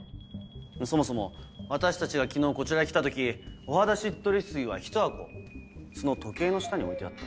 そもそも私たちが昨日こちらへ来た時「お肌しっとり水」はひと箱その時計の下に置いてあった。